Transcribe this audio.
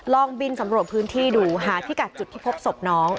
ลองบินสำรวจพื้นที่ดูหาพิกัดจุดที่พบศพน้อง